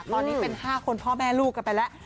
ตอนนี้เป็น๕คนพ่อแม่ลูกกันไปแล้ว